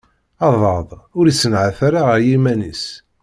Aḍad ur issenɛat ara ar yiman-is.